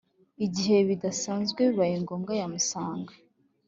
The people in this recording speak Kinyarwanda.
Igihe bidasanzwe bibaye ngombwa yamusanga